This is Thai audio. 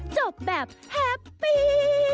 จบแบบแฮปปี้